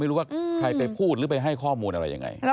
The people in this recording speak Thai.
ไม่รู้ว่าใครไปพูดหรือไปให้ข้อมูล